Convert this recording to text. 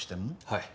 はい。